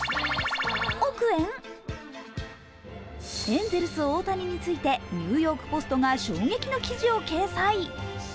エンゼルス・大谷について「ニューヨークポスト」が衝撃の記事を掲載。